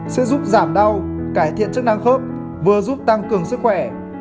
sẽ giúp giảm đau cải thiện chức năng khớp vừa giúp tăng cường sức khỏe